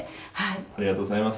ありがとうございます。